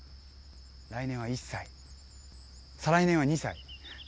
来年は１歳再来年は２歳。